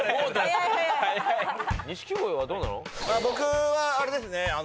僕はあれですね